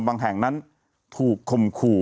บางแห่งนั้นถูกข่มขู่